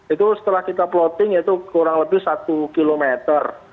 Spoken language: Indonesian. itu setelah kita plotting itu kurang lebih satu kilometer